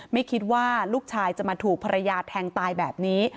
ไม่คิดว่าลูกชายจะมาถูกภรรยาแทงตายแบบนี้